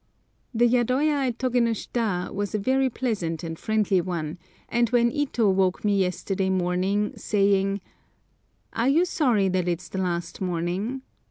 The yadoya at Togénoshita was a very pleasant and friendly one, and when Ito woke me yesterday morning, saying, "Are you sorry that it's the last morning?